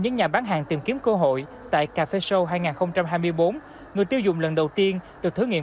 những nhà bán hàng tìm kiếm cơ hội tại cà phê show hai nghìn hai mươi bốn người tiêu dùng lần đầu tiên được thử nghiệm